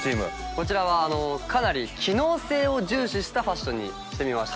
こちらはかなり機能性を重視したファッションにしてみました